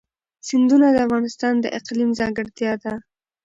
سیندونه د افغانستان د اقلیم ځانګړتیا ده.